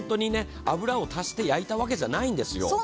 油を足して焼いたわけじゃないんですよ。